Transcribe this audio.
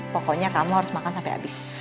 pokoknya kamu harus makan sampai habis